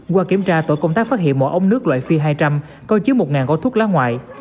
qua kiểm tra tổ công tác phát hiện một ống nước loại phi hai trăm linh có chứa một gói thuốc lá ngoại